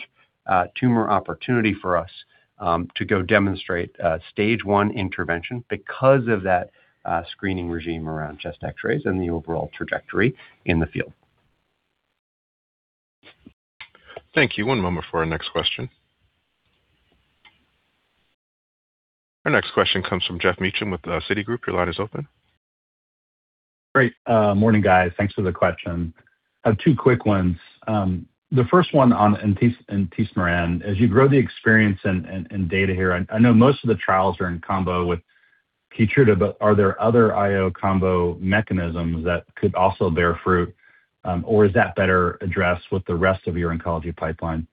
tumor opportunity for us, to go demonstrate a Stage I intervention because of that, screening regime around chest X-rays and the overall trajectory in the field. Thank you. One moment for our next question. Our next question comes from Geoff Meacham with Citigroup. Your line is open. Great. Morning, guys. Thanks for the question. I have two quick ones. The first one on intismeran. As you grow the experience and data here, I know most of the trials are in combo with Keytruda, but are there other IO combo mechanisms that could also bear fruit, or is that better addressed with the rest of your oncology pipeline?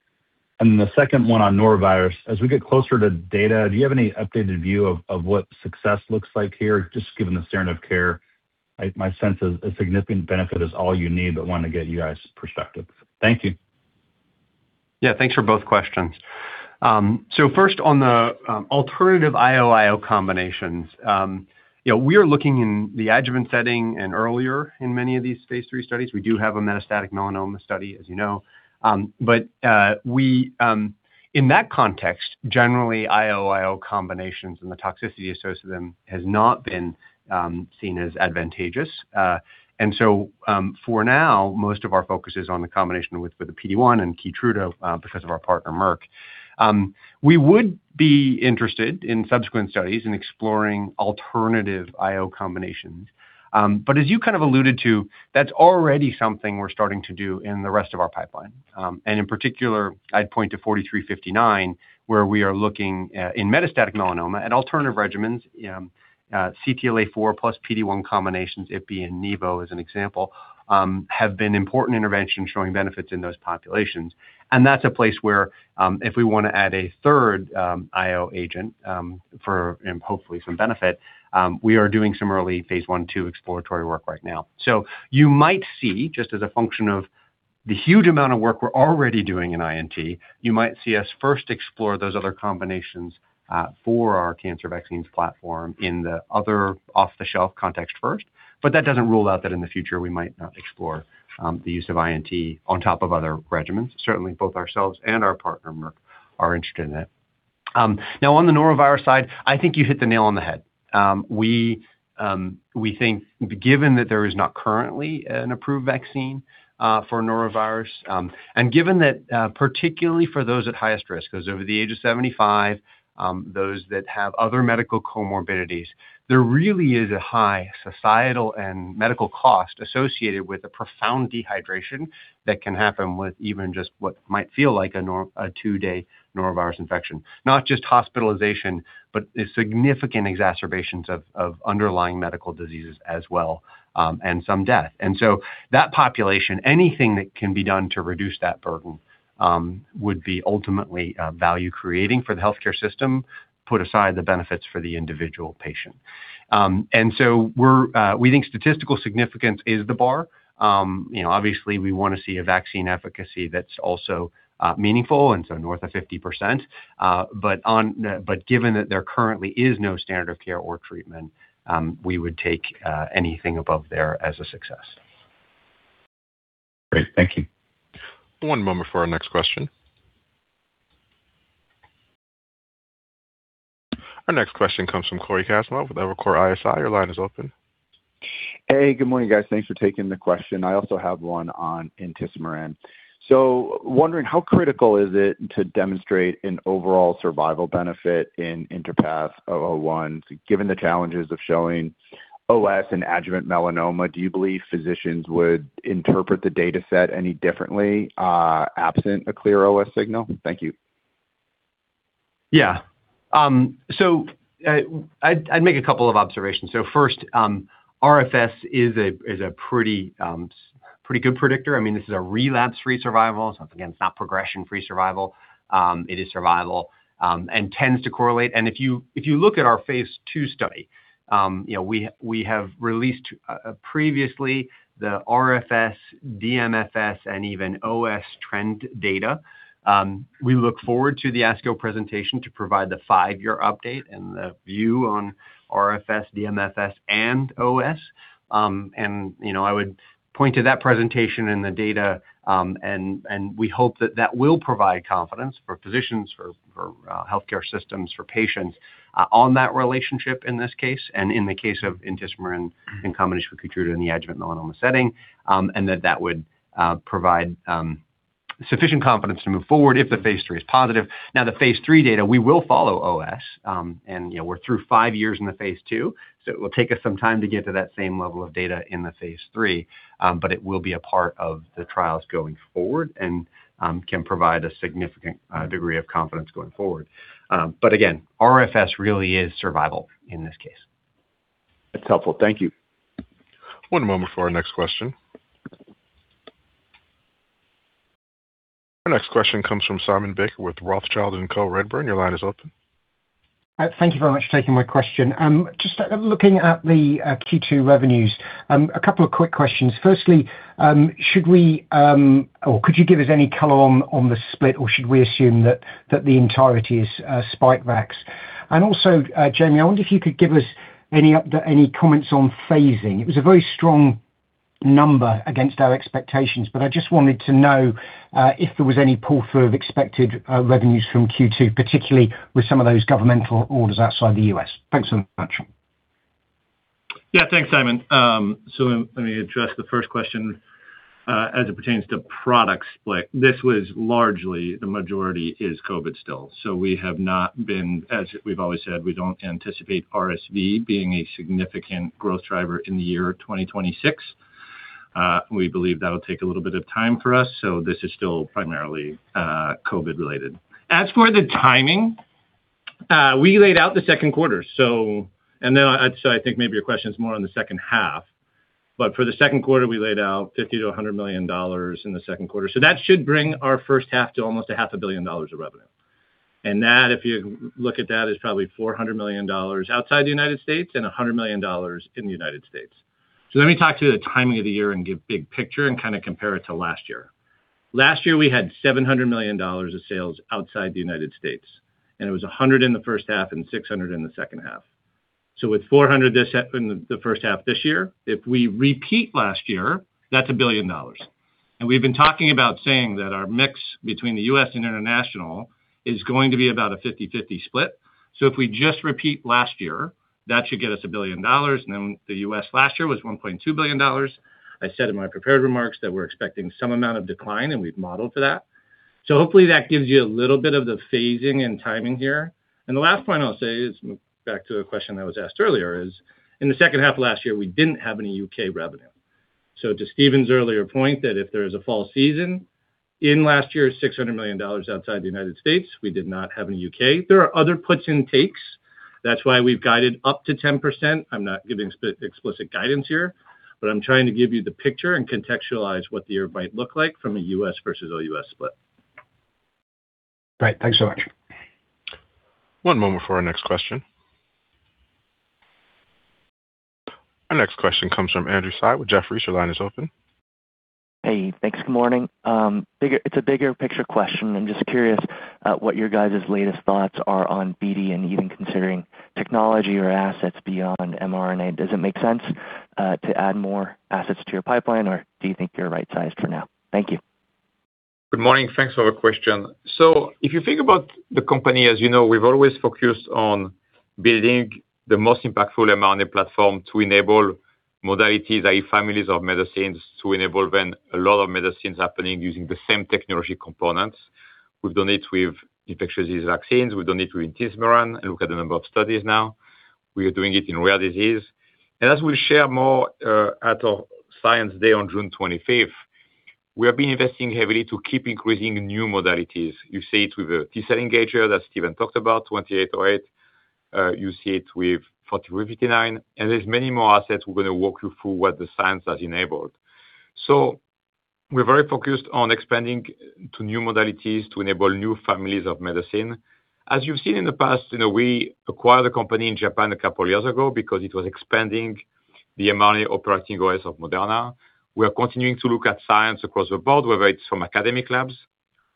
The second one on norovirus. As we get closer to data, do you have any updated view of what success looks like here, just given the standard of care? My sense is a significant benefit is all you need, but want to get you guys' perspective. Thank you. Yeah. Thanks for both questions. First on the IO-IO combinations, you know, we are looking in the adjuvant setting and earlier in many of these phase III studies. We do have a metastatic melanoma study, as you know. We, in that context, generally, IO-IO combinations and the toxicity associated them has not been seen as advantageous. For now, most of our focus is on the combination with the PD1 and Keytruda, because of our partner, Merck. We would be interested in subsequent studies in exploring alternative IO combinations. As you kind of alluded to, that's already something we're starting to do in the rest of our pipeline. I'd point to mRNA-4359, where we are looking in metastatic melanoma at alternative regimens, CTLA-4 plus PD1 combinations, Ipilimumab and Nivolumab as an example, have been important interventions showing benefits in those populations. That's a place where, if we wanna add a third IO agent, for, and hopefully some benefit, we are doing some early phase I/II exploratory work right now. You might see, just as a function of the huge amount of work we're already doing in INT, you might see us first explore those other combinations for our cancer vaccines platform in the other off-the-shelf context first. That doesn't rule out that in the future we might not explore the use of INT on top of other regimens. Certainly, both ourselves and our partner, Merck, are interested in that. On the norovirus side, I think you hit the nail on the head. We think given that there is not currently an approved vaccine for norovirus, and given that, particularly for those at highest risk, 'cause over the age of 75, those that have other medical comorbidities, there really is a high societal and medical cost associated with the profound dehydration that can happen with even just what might feel like a two day norovirus infection. Not just hospitalization, but significant exacerbations of underlying medical diseases as well, and some death. That population, anything that can be done to reduce that burden, would be ultimately value-creating for the healthcare system, put aside the benefits for the individual patient. We think statistical significance is the bar. You know, obviously, we wanna see a vaccine efficacy that's also meaningful, north of 50%. Given that there currently is no standard of care or treatment, we would take anything above there as a success. Great. Thank you. One moment for our next question. Our next question comes from Cory Kasimov with Evercore ISI. Your line is open. Good morning, guys. Thanks for taking the question. I also have one on intismeran. Wondering how critical is it to demonstrate an overall survival benefit in INTerpath-001? Given the challenges of showing OS and adjuvant melanoma, do you believe physicians would interpret the data set any differently, absent a clear OS signal? Thank you. I'd make two observations. First, RFS is a pretty good predictor. I mean, this is a relapse-free survival. Again, it's not progression-free survival. It is survival and tends to correlate. If you look at our phase II study, you know, we have released previously the RFS, DMFS, and even OS trend data. We look forward to the ASCO presentation to provide the five year update and the view on RFS, DMFS, and OS. You know, I would point to that presentation and the data, we hope that that will provide confidence for physicians or healthcare systems for patients on that relationship in this case and in the case of intismeran in combination with Keytruda in the adjuvant melanoma setting, and that that would provide sufficient confidence to move forward if the phase III is positive. Now, the phase III data, we will follow OS, you know, we're through five years in the phase II, so it will take us some time to get to that same level of data in the phase III. It will be a part of the trials going forward and can provide a significant degree of confidence going forward. Again, RFS really is survival in this case. That's helpful. Thank you. One moment for our next question. Our next question comes from Simon Baker with Rothschild & Co Redburn. Your line is open. Thank you very much for taking my question. Just looking at the Q2 revenues, a couple of quick questions. Firstly, should we, or could you give us any color on the split, or should we assume that the entirety is Spikevax? Also, Jamey, I wonder if you could give us any comments on phasing. It was a very strong number against our expectations, but I just wanted to know if there was any pull-through of expected revenues from Q2, particularly with some of those governmental orders outside the U.S. Thanks so much. Thanks, Simon. Let me address the first question as it pertains to product split. This was largely the majority is COVID still. We have not been-- As we've always said, we don't anticipate RSV being a significant growth driver in the year 2026. We believe that'll take a little bit of time for us, this is still primarily COVID related. As for the timing, we laid out the second quarter. I'd say I think maybe your question is more on the second half. For the second quarter, we laid out $50 million-$100 million in the second quarter. That should bring our first half to almost a half a billion dollars of revenue. That, if you look at that, is probably $400 million outside the U.S. and $100 million in the U.S. Let me talk to the timing of the year and give big picture and kinda compare it to last year. Last year, we had $700 million of sales outside the U.S., and it was $100 million in the first half and $600 million in the second half. With $400 million this half in the first half this year, if we repeat last year, that's $1 billion. We've been talking about saying that our mix between the U.S. and international is going to be about a 50/50 split. If we just repeat last year, that should get us $1 billion. Then the U.S. last year was $1.2 billion. I said in my prepared remarks that we're expecting some amount of decline, and we've modeled for that. Hopefully that gives you a little bit of the phasing and timing here. The last point I'll say is back to a question that was asked earlier, is in the second half of last year, we didn't have any U.K. revenue. To Stephen's earlier point that if there is a fall season in last year's $600 million outside the United States, we did not have any U.K. There are other puts and takes. That's why we've guided up to 10%. I'm not giving explicit guidance here, but I'm trying to give you the picture and contextualize what the year might look like from a U.S. versus OUS split. Great. Thanks so much. One moment for our next question. Our next question comes from Andrew Tsai with Jefferies. Your line is open. Hey. Thanks. Good morning. It's a bigger picture question. I'm just curious what your guys' latest thoughts are on BD and even considering technology or assets beyond mRNA. Does it make sense to add more assets to your pipeline, or do you think you're right-sized for now? Thank you. Good morning. Thanks for the question. If you think about the company, as you know, we've always focused on building the most impactful mRNA platform to enable modalities, i.e. families of medicines to enable then a lot of medicines happening using the same technology components. We've done it with infectious disease vaccines, we've done it with intismeran, and look at the number of studies now. We are doing it in rare disease. As we share more at our Science Day on June 25th, we have been investing heavily to keep increasing new modalities. You see it with the T-cell engager that Stephen talked about, mRNA-2808. You see it with mRNA-4359, there's many more assets we're gonna walk you through what the science has enabled. We're very focused on expanding to new modalities to enable new families of medicine. As you've seen in the past, we acquired a company in Japan a couple years ago because it was expanding the mRNA operating OS of Moderna. We are continuing to look at science across the board, whether it's from academic labs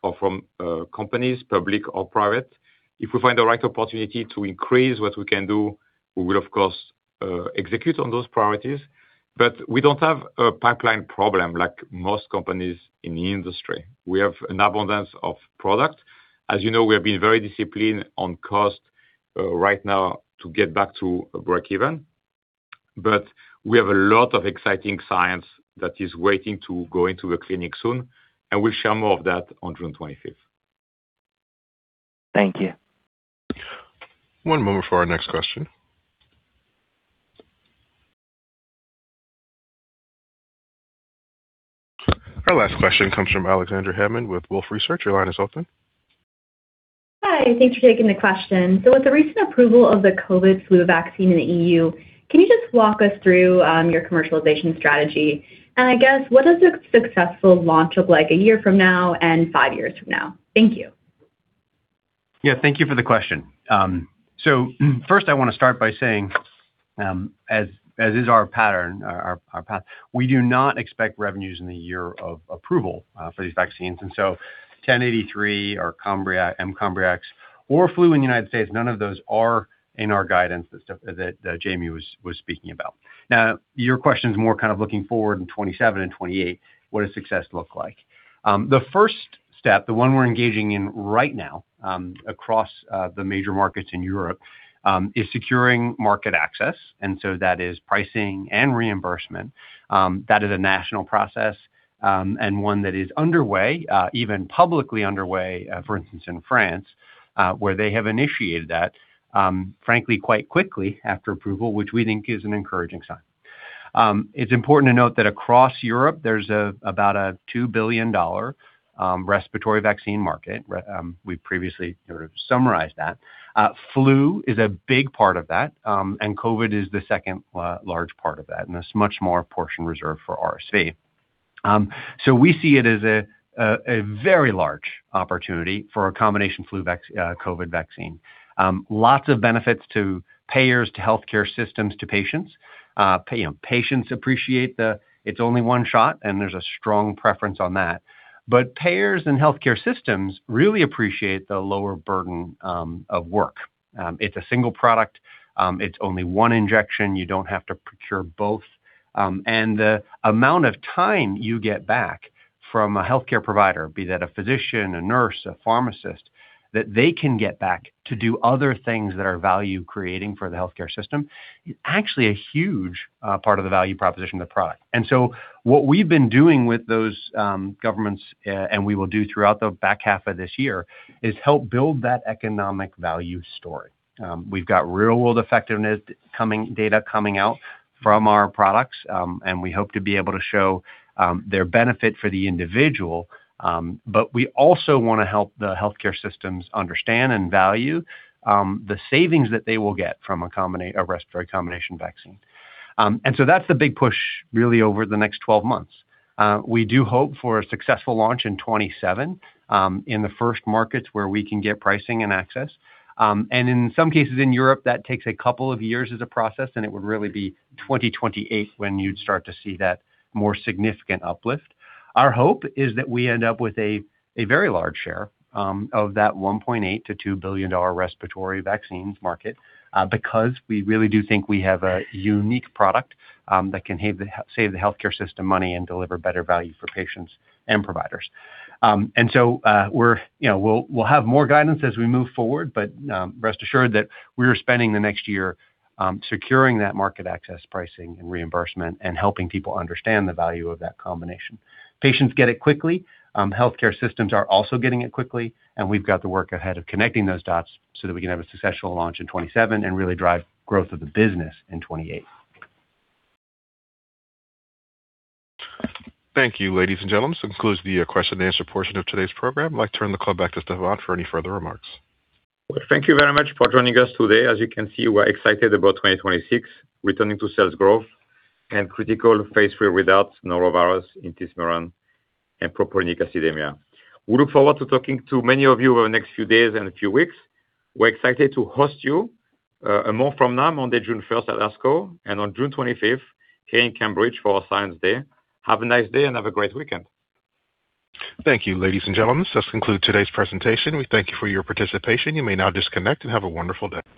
or from companies, public or private. If we find the right opportunity to increase what we can do, we will of course execute on those priorities. We don't have a pipeline problem like most companies in the industry. We have an abundance of product. As we have been very disciplined on cost right now to get back to breakeven. We have a lot of exciting science that is waiting to go into a clinic soon, and we'll share more of that on June 25th. Thank you. One moment for our next question. Our last question comes from Alexandria Hammond with Wolfe Research. Your line is open. Hi. Thanks for taking the question. With the recent approval of the Covid flu vaccine in the EU, can you just walk us through your commercialization strategy? I guess, what does a successful launch look like a year from now and five years from now? Thank you. Yeah. Thank you for the question. First I wanna start by saying, as is our pattern, our path, we do not expect revenues in the year of approval for these vaccines. mRNA-1083 or mCOMBRIAX or flu in the U.S., none of those are in our guidance that Jamey was speaking about. Your question is more kind of looking forward in 2027 and 2028, what does success look like? The first step, the one we're engaging in right now, across the major markets in Europe, is securing market access, that is pricing and reimbursement. That is a national process, and one that is underway, even publicly underway, for instance, in France, where they have initiated that, frankly, quite quickly after approval, which we think is an encouraging sign. It's important to note that across Europe there's about a $2 billion respiratory vaccine market. We previously sort of summarized that. Flu is a big part of that, and COVID is the second large part of that, and there's much more portion reserved for RSV. We see it as a very large opportunity for a combination flu COVID vaccine. Lots of benefits to payers, to healthcare systems, to patients. Patients appreciate the it's only one shot, and there's a strong preference on that. Payers and healthcare systems really appreciate the lower burden of work. It's a single product. It's only one injection. You don't have to procure both. The amount of time you get back from a healthcare provider, be that a physician, a nurse, a pharmacist, that they can get back to do other things that are value-creating for the healthcare system is actually a huge part of the value proposition of the product. What we've been doing with those governments, and we will do throughout the back half of this year, is help build that economic value story. We've got real-world effectiveness data coming out from our products, and we hope to be able to show their benefit for the individual. We also wanna help the healthcare systems understand and value the savings that they will get from a respiratory combination vaccine. That's the big push really over the next 12 months. We do hope for a successful launch in 2027, in the first markets where we can get pricing and access. In some cases in Europe, that takes a couple of years as a process, and it would really be 2028 when you'd start to see that more significant uplift. Our hope is that we end up with a very large share of that $1.8 billion-$2 billion respiratory vaccines market, because we really do think we have a unique product that can save the healthcare system money and deliver better value for patients and providers. You know, we'll have more guidance as we move forward, rest assured that we're spending the next year, securing that market access pricing and reimbursement and helping people understand the value of that combination. Patients get it quickly. Healthcare systems are also getting it quickly, and we've got the work ahead of connecting those dots so that we can have a successful launch in 2027 and really drive growth of the business in 2028. Thank you. Ladies and gentlemen, this concludes the question and answer portion of today's program. I'd like to turn the call back to Stéphane for any further remarks. Well, thank you very much for joining us today. As you can see, we're excited about 2026, returning to sales growth and critical phase III readouts, norovirus, intismeran and propionic acidemia. We look forward to talking to many of you over the next few days and a few weeks. We're excited to host you and more from now on June 1st at ASCO, and on June 25th here in Cambridge for our Science Day. Have a nice day, and have a great weekend. Thank you, ladies and gentlemen. This conclude today's presentation. We thank you for your participation. You may now disconnect and have a wonderful day.